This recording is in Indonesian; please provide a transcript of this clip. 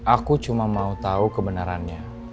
aku cuma mau tahu kebenarannya